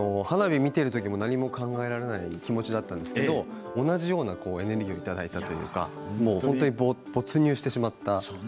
花火見てるときも、何も考えられない気持ちだったんですけど同じようなエネルギーをいただいたというか本当に没入してしまった。